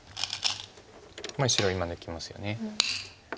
白今抜きますよね。